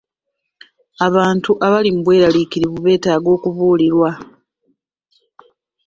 Abantu abali mu bweraliikirivu beetaaga okubuulirirwa.